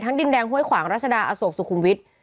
ดินแดงห้วยขวางรัชดาอโศกสุขุมวิทย์